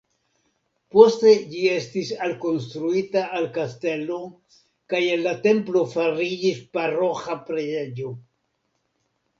Poste ĝi estis alkonstruita al kastelo kaj el la templo fariĝis paroĥa preĝejo.